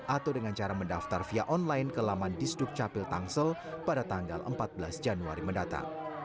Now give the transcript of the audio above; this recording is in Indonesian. atau dengan cara mendaftar via online ke laman disduk capil tangsel pada tanggal empat belas januari mendatang